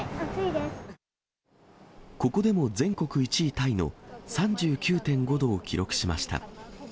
ここでも全国１位タイの３９．５度を記録しました。